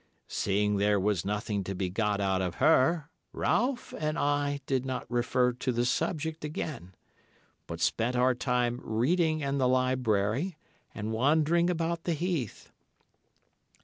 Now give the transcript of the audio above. "Seeing there was nothing to be got out of her, Ralph and I did not refer to the subject again, but spent our time reading in the library, and wandering about the heath.